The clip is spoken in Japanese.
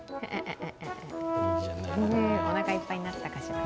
おなかいっぱいになったかしら。